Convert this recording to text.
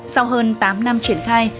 sau hơn tám năm triển khai